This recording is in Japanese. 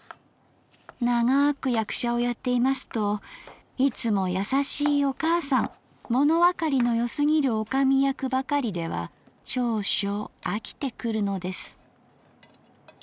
ながく役者をやっていますといつもやさしいお母さんものわかりのよすぎる女将役ばかりでは少々あきてくるのです」